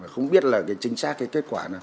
không biết chính xác kết quả